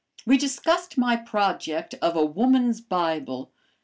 We discussed my project of a "Woman's Bible."